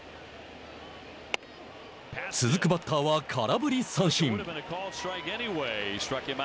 続くバッターは空振り三振。